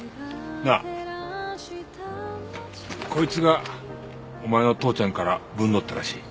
なあこいつがお前の父ちゃんから分捕ったらしい。